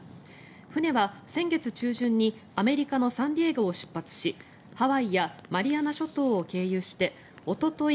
船は先月中旬にアメリカのサンディエゴを出発しハワイやマリアナ諸島を経由しておととい